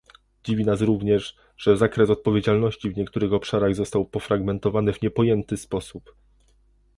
Dziwi nas również, że zakres odpowiedzialności w niektórych obszarach został pofragmentowany w niepojęty sposób